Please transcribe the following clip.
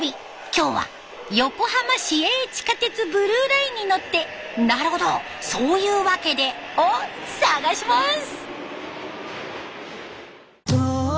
今日は横浜市営地下鉄ブルーラインに乗って「なるほど！そういうワケで」を探します。